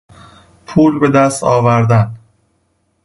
پول به دست آوردن